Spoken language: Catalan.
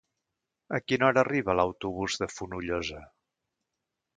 A quina hora arriba l'autobús de Fonollosa?